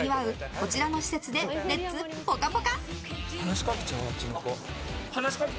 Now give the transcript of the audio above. こちらの施設でレッツぽかぽか！